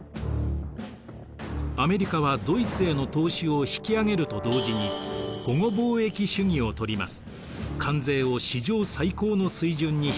アメリカはドイツへの投資を引きあげると同時に保護貿易主義をとります。